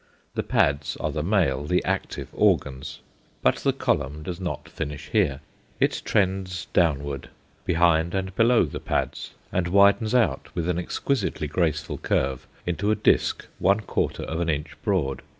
The pads are the male, the active organs. But the column does not finish here. It trends downward, behind and below the pads, and widens out, with an exquisitely graceful curve, into a disc one quarter of an inch broad.